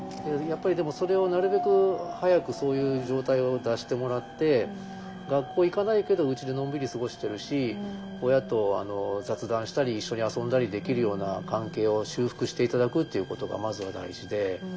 やっぱりでもそれをなるべく早くそういう状態を脱してもらって学校行かないけどうちでのんびり過ごしてるし親と雑談したり一緒に遊んだりできるような関係を修復して頂くっていうことがまずは大事で。